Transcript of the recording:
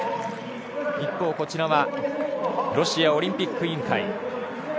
一方ロシアオリンピック委員会。